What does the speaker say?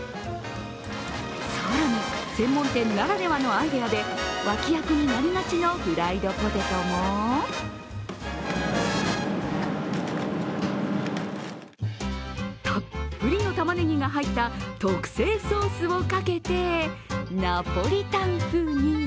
更に、専門店ならではのアイデアで脇役になりがちのフライドポテトもたっぷりのたまねぎが入った特製ソースをかけてナポリタン風に。